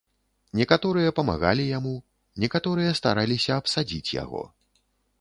Некаторыя памагалі яму, некаторыя стараліся абсадзіць яго.